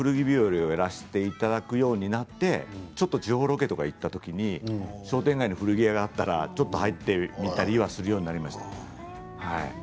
この「古着日和」をやらせていただくようになってちょっと地方ロケに行ったときに商店街の古着屋があったらちょっと入ってみたりはするようになりました。